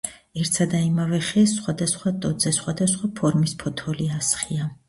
ერთსა და იმავე ხეს სხვადასხვა ტოტზე სხვადასხვა ფორმის ფოთოლი ასხია.